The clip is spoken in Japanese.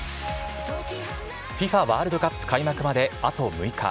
ワールドカップ開幕まであと６日。